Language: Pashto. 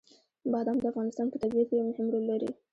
بادام د افغانستان په طبیعت کې یو مهم رول لري.